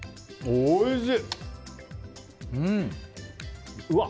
おいしい！